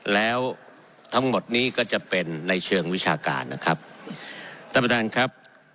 แล้วทั้งหมดนี้ก็จะเป็นในเชิงวิชาการนะครับท่านประธานครับ